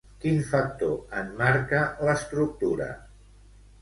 Quin factor en marca l'estructura?